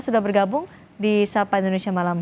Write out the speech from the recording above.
sudah bergabung di sapa indonesia malam ini